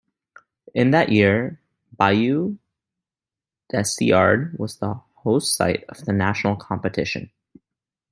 In that year, Bayou Desiard was the host site of the national competition.